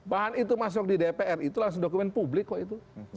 bahan itu masuk di dpr itu langsung dokumen publik kok itu